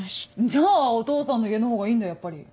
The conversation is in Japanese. じゃあお父さんの家のほうがいいんだやっぱり。